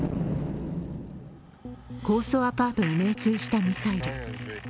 高層アパートに命中したミサイル。